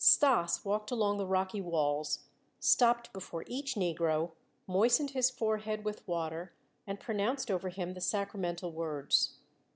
Stas walked along the rocky walls, stopped before each negro, moistened his forehead with water, and pronounced over him the sacramental words.